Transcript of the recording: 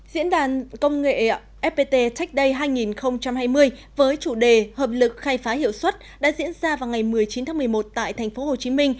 diễn đàn công nghệ fpt tech day hai nghìn hai mươi với chủ đề hợp lực khai phá hiệu suất đã diễn ra vào ngày một mươi chín tháng một mươi một tại tp hcm